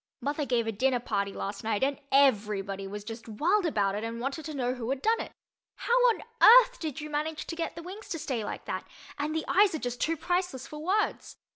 Mother gave a dinner party last night and everybody was just wild about it and wanted to know who had done it. How on earth did you manage to get the wings to stay like that? And the eyes are just too priceless for words.